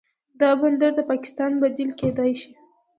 دا بندر د پاکستان بدیل کیدی شي.